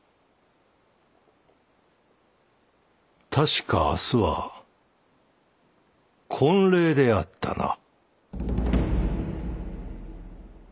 確か明日は婚礼であったな。